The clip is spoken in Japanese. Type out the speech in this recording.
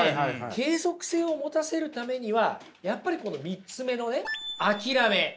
継続性を持たせるためにはやっぱりこの３つ目のね諦め。